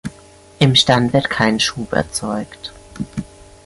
Im Stand wird kein Schub erzeugt.